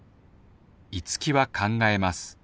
樹は考えます。